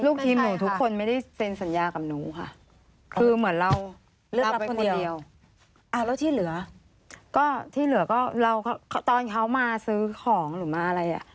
ซึ่งมีคนรับไปยังคะ